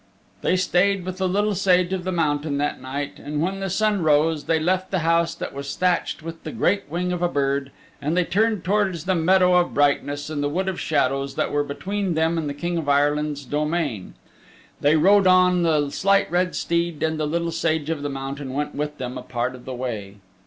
They stayed with the Little Sage of the Mountain that night, and when the sun rose they left the house that was thatched with the great wing of a bird and they turned towards the Meadow of Brightness and the Wood of Shadows that were between them and the King of Ireland's domain. They rode on the Slight Red Steed, and the Little Sage of the Mountain went with them a part of the way.